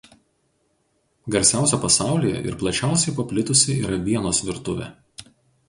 Garsiausia pasaulyje ir plačiausiai paplitusi yra Vienos virtuvė.